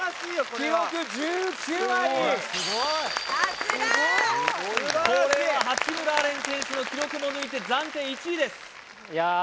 これは八村阿蓮選手の記録も抜いて暫定１位ですいやー